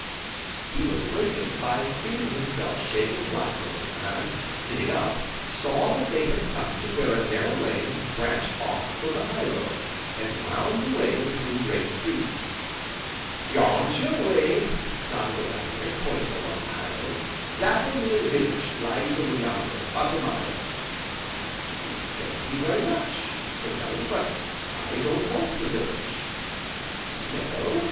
He was awakened by feeling himself shaken lustily, and, sitting up, saw that they had come to where a narrow lane branched off from the high road, and wound away between great trees. "Yon's your way," nodded the Waggoner, pointing along the high road, "Dapplemere village lies over yonder, 'bout a mile." "Thank you very much," said Bellew, "but I don't want the village." "No?"